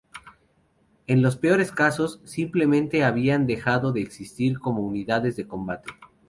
En los peores casos, simplemente habían dejado de existir como unidades de combate.